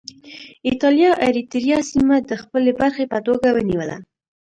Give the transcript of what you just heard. اېټالیا اریتیریا سیمه د خپلې برخې په توګه ونیوله.